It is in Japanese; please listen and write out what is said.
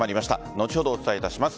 後ほど、お伝えいたします。